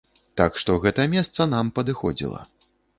Так што гэта месца нам падыходзіла.